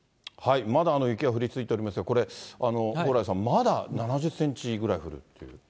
まだ雪は降り続いていますが、これ、蓬莱さん、まだ７０センチぐらい降るっていう。